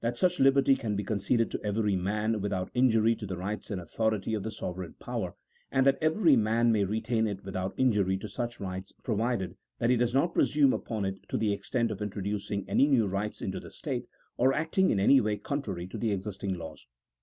265 such liberty can be conceded to every man without injury to the rights and authority of the sovereign power, and that every man may retain it without injury to such rights, provided that he does not presume upon it to the extent of introducing any new rights into the state, or acting in any way contrary to the existing laws.